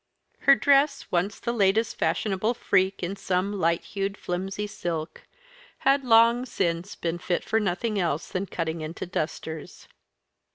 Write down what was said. Her dress, once the latest fashionable freak in some light hued flimsy silk, had long since been fit for nothing else than cutting into dusters.